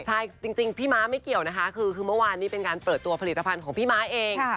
ใช่จริงพี่ม้าไม่เกี่ยวนะคะคือเมื่อวานนี้เป็นการเปิดตัวผลิตภัณฑ์ของพี่ม้าเอง